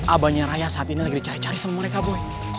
abahnya raya saat ini lagi dicari cari sama mereka boy